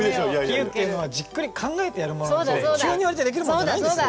比喩っていうのはじっくり考えてやるものなので急に言われてできるものじゃないんですよ！